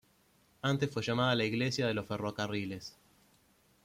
Antes fue llamada la "Iglesia de los ferrocarriles".